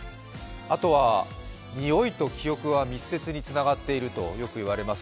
あとは、においと記憶は密接につながっているとよく言われます。